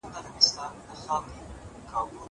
دغم اوښ چي ورته چو سي